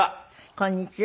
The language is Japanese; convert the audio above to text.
こんにちは。